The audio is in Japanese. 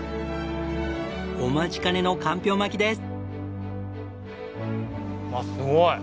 お待ちかねのかんぴょう巻です。